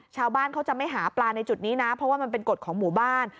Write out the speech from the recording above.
ชาวบ้านเขาจะไม่หาปลาในจุดนี้นะเพราะว่ามันเป็นกฎของหมู่บ้าน